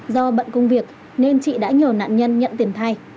do bận công việc nên chị đã nhờ nạn nhân nhận tiền thay